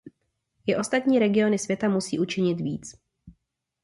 I ostatní regiony světa musí učinit víc.